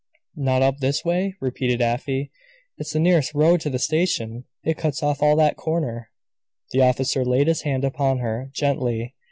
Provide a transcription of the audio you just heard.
"Not up this way?" repeated Afy. "It's the nearest road to the station. It cuts off all that corner." The officer laid his hand upon her, gently.